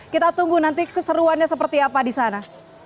kita tunggu nanti keseruannya seperti apa di sana